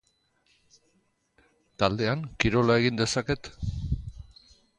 Taldean kirola egin dezaket?